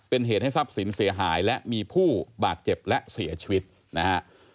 เป็นเหตุให้ทรัพย์สินเสียหายและมีผู้บาดเจ็บและเสียชีวิตนะฮะ